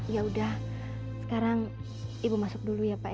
ya udah sekarang ibu masuk dulu ya pak